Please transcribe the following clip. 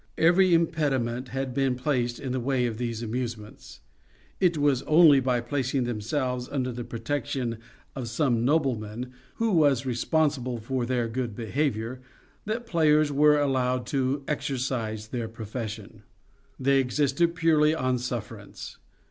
Every impediment had been placed in the way of these amusements. It was only by placing themselves under the protection of some nobleman, who was responsible for their good behaviour, that players were allowed to exercise their profession. They existed purely on suffer ance.